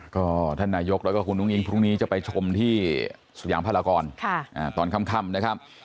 ก็ท่านนายกแล้วก็คุณอุ้งอิงพรุ่งนี้จะไปชมที่สยามพลากรตอนค่ำนะครับ